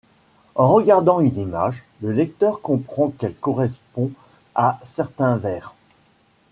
En regardant une image, le lecteur comprend qu'elle correspond à certains vers.